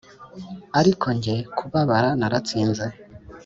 ariko njye kubabara naratsinze